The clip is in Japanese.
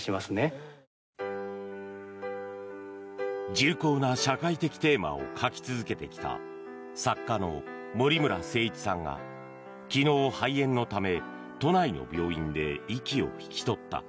重厚な社会的テーマを書き続けてきた作家の森村誠一さんが昨日、肺炎のため都内の病院で息を引き取った。